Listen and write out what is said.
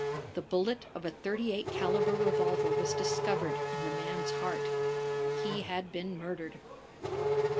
The bullet of a .38 caliber revolver was discovered in the man's heart. He had been murdered.